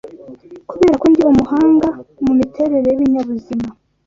Kubera ko ndi umuhanga mu miterere y’ibinyabuzima